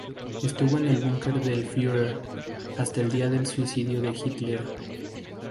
Estuvo en el bunker del Führer hasta el día del suicidio de Hitler.